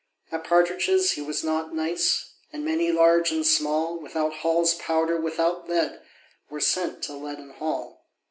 At partridges he was not nice; And many, large and small, Without Hall's powder, without lead, Were sent to Leaden Hall.